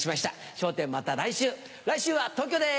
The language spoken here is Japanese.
『笑点』また来週来週は東京です。